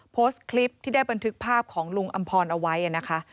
โพสต์คลิปที่ได้บันทึกภาพของลุงอำพรเอาไว้นะคะ